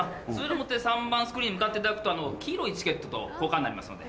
３番スクリーンに向かっていただくと黄色いチケットと交換になりますので。